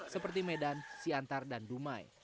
seperti medan siantar dan dumai